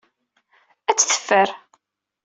Ad t-teffer.